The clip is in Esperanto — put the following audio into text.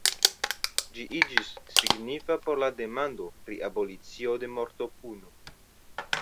Ĝi iĝis signifa por la demando pri abolicio de mortopuno.